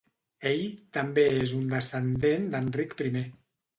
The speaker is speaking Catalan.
Ell també és un descendent d'Enric I.